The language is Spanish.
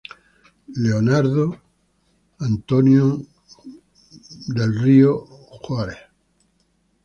Leonard W. Hatton Jr.